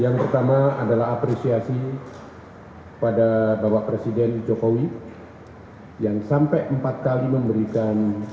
yang pertama adalah apresiasi pada bapak presiden jokowi yang sampai empat kali memberikan